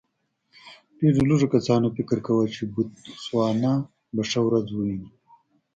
ډېرو لږو کسانو فکر کاوه چې بوتسوانا به ښه ورځ وویني.